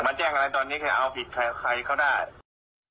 มาแจ้งอะไรตอนนี้คือเอาผิดใครเขาได้